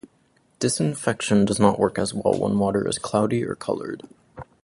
Disinfection does not work as well when water is cloudy or colored.